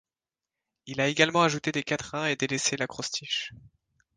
Il a également ajouté des quatrains et délaissé l’acrostiche.